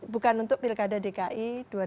bukan untuk pilkada dki dua ribu tujuh belas